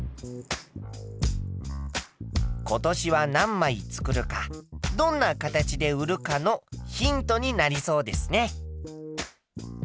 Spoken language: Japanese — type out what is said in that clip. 今年は何枚作るかどんな形で売るかのヒントになりそうですね。